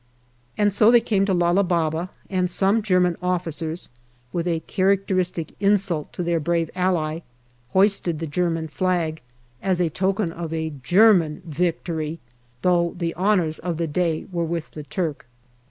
And so they came to Lala Baba, and some German officers, with a characteristic insult to their brave ally, hoisted the German flag as a token of a German " victory/' though the honours of the day were with the Turk.